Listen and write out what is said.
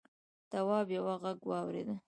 تواب یوه غږ واورېد.